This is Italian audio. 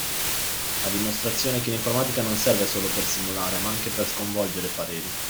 A dimostrazione che l'informatica non serve solo per simulare ma anche per sconvolgere pareri.